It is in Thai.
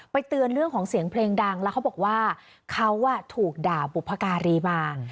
เตือนเรื่องของเสียงเพลงดังแล้วเขาบอกว่าเขาถูกด่าบุพการีมา